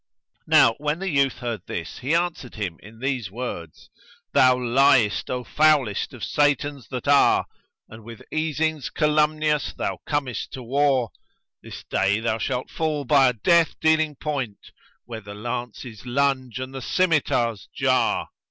Now when the youth heard this he answered him in these words, "Thou liest, O foulest of Satans that are, * And with easings calumnious thou comest to war This day thou shalt fall by a death dealing point * Where the lances lunge and the scymitars jar!"